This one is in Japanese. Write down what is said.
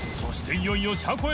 いよいよ車庫へ禀坿